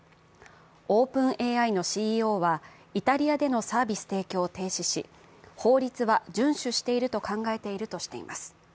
オープンＡＩのＣＥＯは、イタリアでのサービス提供を停止し、法律は順守していると考えているとしています。